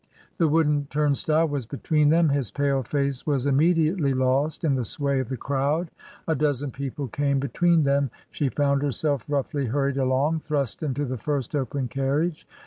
The wooden turnstile was between them, his pale face was immediately lost in the sway of the crowd, a dozen people came between them; she found her self roughly hurried along, thrust into the first open carriage.